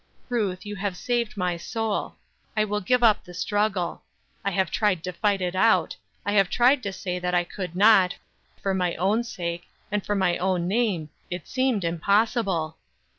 Ruth, you have saved my soul; I will give up the struggle; I have tried to fight it out; I have tried to say that I could not; for my own sake, and for my own name, it seemed impossible.